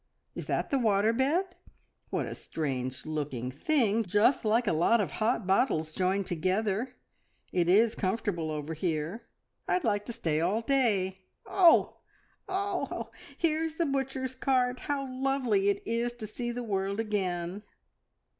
Is that the water bed? What a strange looking thing! just like a lot of hot bottles joined together. It is comfortable over here! I'd like to stay all day. Oh, oh, oh! here's the butcher's cart! How lovely it is to see the world again!"